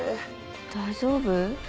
大丈夫？